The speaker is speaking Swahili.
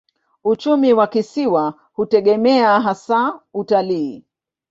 Uchumi wa kisiwa hutegemea hasa utalii.